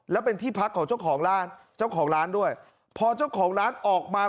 และเป็นที่พักของเจ้าของร้านเจ้าของร้านด้วยพอเจ้าของร้านออกมา